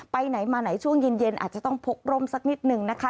ไปไหนมาไหนช่วงเย็นอาจจะต้องพกร่มสักนิดนึงนะคะ